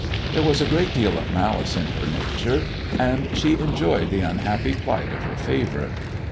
There was a great deal of malice in her nature, and she enjoyed the unhappy plight of her favourite.